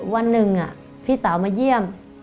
วันหนึ่งพี่สาวมาเยี่ยม